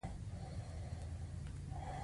دوهم برخه د انجنیری تخصصي مضامین دي.